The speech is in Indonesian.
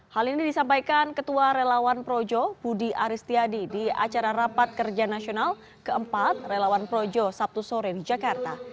hal ini disampaikan ketua relawan projo budi aristiadi di acara rapat kerja nasional keempat relawan projo sabtu sore di jakarta